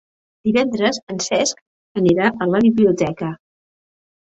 Divendres en Cesc anirà a la biblioteca.